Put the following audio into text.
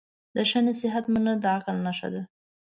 د ښه نصیحت منل د عقل نښه ده.